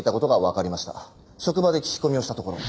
職場で聞き込みをしたところ。